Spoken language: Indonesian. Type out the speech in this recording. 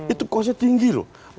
itu kosnya tinggi loh